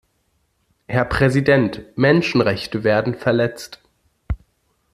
Herr Präsident! Menschenrechte werden verletzt.